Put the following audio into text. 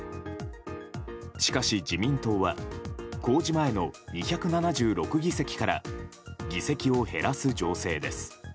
しかし、自民党は公示前の２７６議席から議席を減らす情勢です。